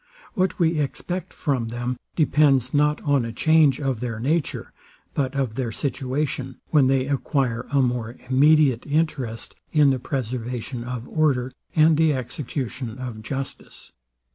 What we expect from them depends not on a change of their nature but of their situation, when they acquire a more immediate interest in the preservation of order and the execution of justice.